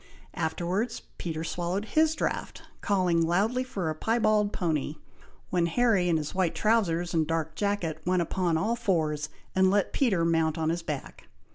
Afterwards Peter swallowed his draught, calling loudly for a piebald pony, when Harry in his white trowsers, and dark jacket, went upon all fours, and let Peter mount on his back.